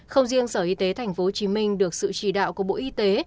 không riêng sở y tế tp hcm được sự chỉ đạo của bộ y tế